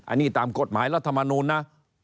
อันนี้ตามกฎหมายรัฐมนูลนะ